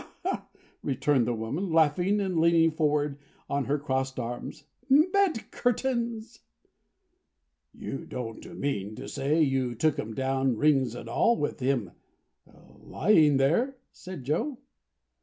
returned the woman, laughing and leaning forward on her crossed arms. "Bed curtains!" "You don't mean to say you took 'em down rings and all, with him lying there?" said Joe.